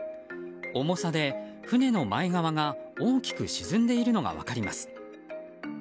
重さで、船の前側が大きく沈んでいるのが分かります。